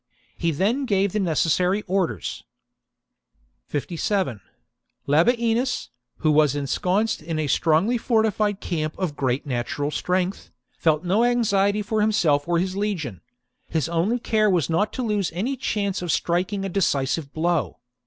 He then gave the necessary orders. and besets 5/. Labicnus, who was insconced in a strongly camp fortified camp^f great natural strength, felt no anxiety for himself or his legion : his only care was not to lose any chance of striking a decisive blow.